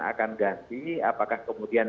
akan ganti apakah kemudian